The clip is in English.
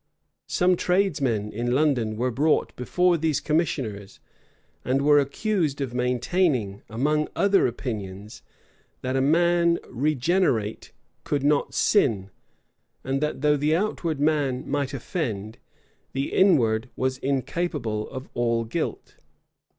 Some tradesmen in London were brought before these commissioners, and were accused of maintaining, among other opinions, that a man regenerate could not sin, and that, though the outward man might offend, the inward was incapable of all guilt.